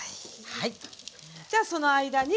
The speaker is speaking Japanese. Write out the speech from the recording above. はい。